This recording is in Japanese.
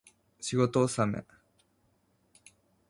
仕事納め